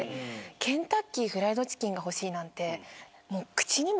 「ケンタッキーフライドチキン」が欲しいなんて。